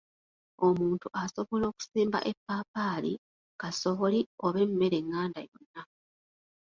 "Omuntu asobola okusimba eppaapaali, kasooli, oba emmere enganda yonna."